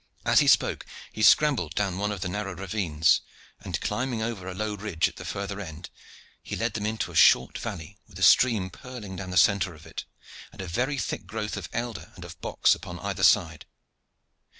As he spoke he scrambled down one of the narrow ravines, and, climbing over a low ridge at the further end, he led them into a short valley with a stream purling down the centre of it and a very thick growth of elder and of box upon either side.